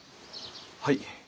はい。